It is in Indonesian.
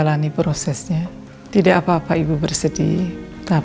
dan saya kecewa